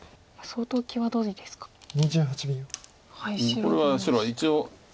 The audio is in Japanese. これは白は一応。